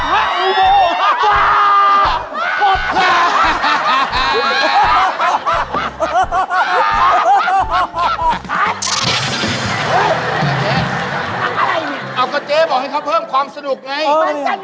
มันช่วยกันทำวุ้นโทษพระป่า